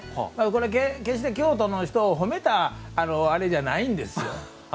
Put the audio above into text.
これは決して、京都の人を褒めたあれじゃないんですよ。